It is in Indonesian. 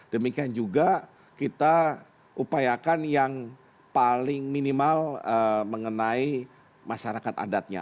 demikian juga kita upayakan yang paling minimal mengenai masyarakat adatnya